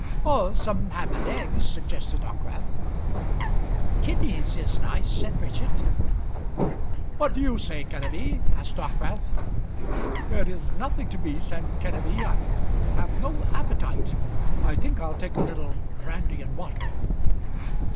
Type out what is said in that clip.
"Or some ham and eggs," suggested Dockwrath. "Kidneys is nice," said Bridget. "What do you say, Kenneby?" asked Dockwrath. "It is nothing to me," said Kenneby; "I have no appetite. I think I'll take a little brandy and water."